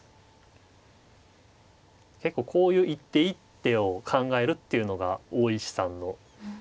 結構こういう一手一手を考えるっていうのが大石さんの将棋ですね。